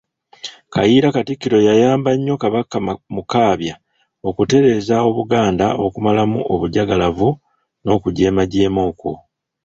Kayiira Katikkiro yayamba nnyo Kabaka Mukaabya okutereeza Obuganda okumalamu obujagalavu n'okujeemajeema okwo.